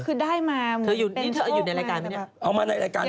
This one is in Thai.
คือได้มาเป็นทุกคนไหม